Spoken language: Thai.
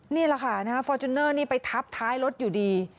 นี่แหละค่ะฟอร์จูเนอร์นี่ไปทับท้ายรถอยู่ดี